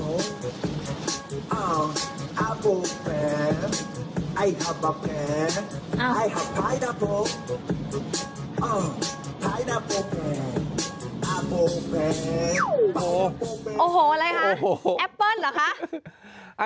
โอ้โหอะไรคะแอปเปิ้ลเหรอคะ